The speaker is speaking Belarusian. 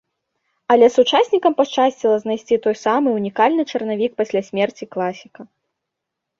Але сучаснікам пашчасціла знайсці той самы ўнікальны чарнавік пасля смерці класіка.